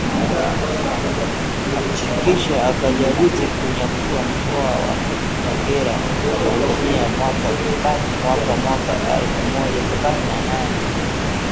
Kisha akajaribu kunyakua Mkoa wa Kagera wa Tanzania mwaka mwaka alfu moja sabini na nane